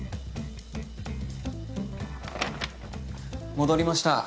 ・戻りました。